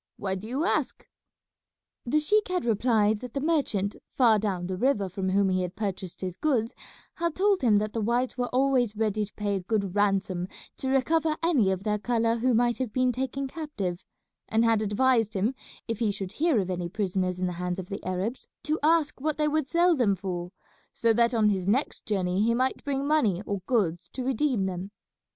Why do you ask?" The sheik had replied that the merchant far down the river from whom he had purchased his goods had told him that the whites were always ready to pay a good ransom to recover any of their colour who might have been taken captive, and had advised him if he should hear of any prisoners in the hands of the Arabs to ask what they would sell them for, so that on his next journey he might bring money or goods to redeem them.